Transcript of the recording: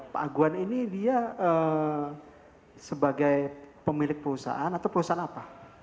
pak aguan ini dia sebagai pemilik perusahaan atau perusahaan apa